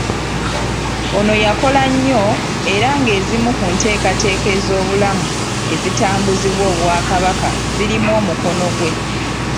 Ono yakola nnyo era ng'ezimu ku nteekateeka ez'obulamu ezitambuzibwa obwakabaka zirimu omukono gwe.